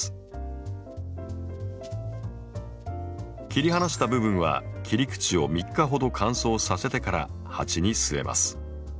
切り離した部分は切り口を３日ほど乾燥させてから鉢に据えます。